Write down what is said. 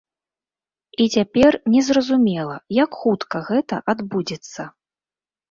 І цяпер не зразумела, як хутка гэта адбудзецца.